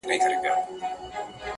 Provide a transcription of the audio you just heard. ستونی د شپېلۍ به نغمه نه لري-